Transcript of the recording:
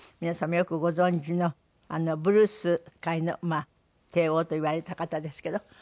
皆さんもよくご存じのブルース界の帝王といわれた方ですけど。